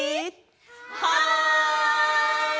はい！